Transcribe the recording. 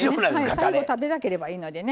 最後食べなければいいのでね。